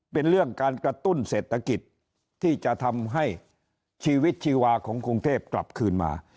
เป็นเรื่องการกระตุ้นเศรษฐกิจที่จะทำให้ชีวิตชีวาของกรุงเทพกลับคืนมา